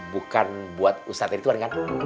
bukan buat ustazan itu kan